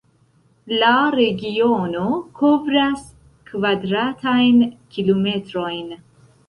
La regiono kovras kvadratajn kilometrojn.